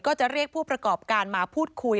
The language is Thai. ก็จะเรียกผู้ประกอบการมาพูดคุย